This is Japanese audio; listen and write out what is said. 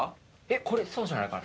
これそうじゃないかな？